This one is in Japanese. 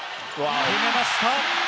決めました。